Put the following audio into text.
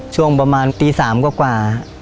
ช่วงประมาณตี๓กว่า